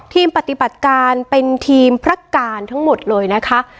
ปฏิบัติการเป็นทีมพระการทั้งหมดเลยนะคะ